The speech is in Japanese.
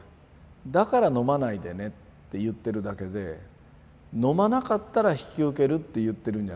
だから飲まないでねって言ってるだけで飲まなかったら引き受けるって言ってるんじゃないんです。